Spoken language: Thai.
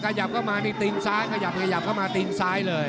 ขยับเข้ามานี่ตีนซ้ายขยับขยับเข้ามาตีนซ้ายเลย